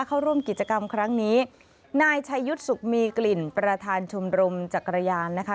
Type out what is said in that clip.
เข้าร่วมกิจกรรมครั้งนี้นายชายุทธ์สุขมีกลิ่นประธานชมรมจักรยานนะคะ